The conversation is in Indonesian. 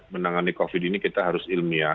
menangani covid ini kita harus ilmiah